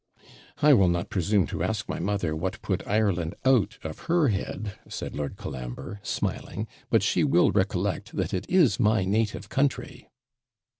'I will not presume to ask my mother what put Ireland out of her head,' said Lord Colambre, smiling; 'but she will recollect that it is my native country.'